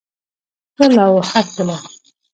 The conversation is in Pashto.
تل او هرکله.